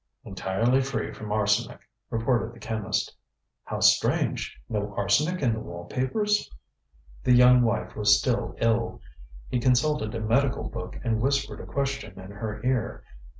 ŌĆØ ŌĆ£Entirely free from arsenic, ŌĆØ reported the chemist. ŌĆ£How strange! No arsenic in the wall papers? ŌĆØ The young wife was still ill. He consulted a medical book and whispered a question in her ear.